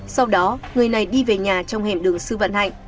sau đó người này đi về nhà trong hẻm đường sư văn hạnh